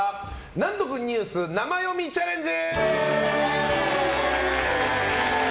難読ニュース生読みチャレンジ！